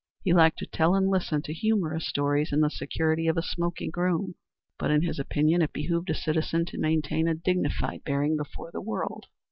He liked to tell and listen to humorous stories in the security of a smoking room, but in his opinion it behooved a citizen to maintain a dignified bearing before the world.